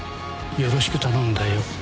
よろしく頼んだよ。